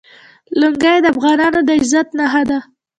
لنګۍ د افغانانو د عزت نښه ده.